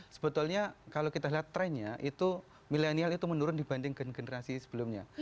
sebetulnya kalau kita lihat trennya itu milenial itu menurun dibanding generasi sebelumnya